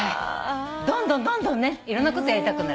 どんどんどんどんねいろんなことやりたくなる。